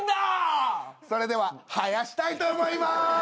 それでは生やしたいと思いまーす。